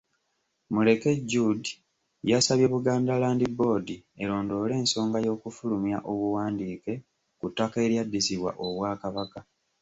Muleke Jude yasabye Buganda Land Board erondoole ensonga y’okufulumya obuwandiike ku ttaka eryaddizibwa Obwakabaka.